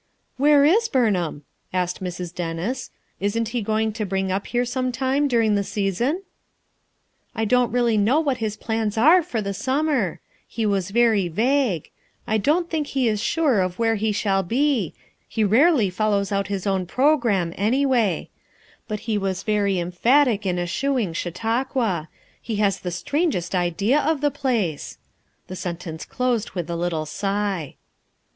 "Where is Burnham?" asked Mrs. Dennis. "Isn't he going to bring up here sometime dur ing the season?" "I don't really know what his plans are for the summer; he was very vague; I don't think FOUR MOTHERS AT CHAUTAUQUA 65 he is sure of where he shall be; he rarely fol lows out his own program, anyway; but he was very emphatic in eschewing Chautauqua; he has the strangest idea of the place!" The sen tence closed with a little sigh.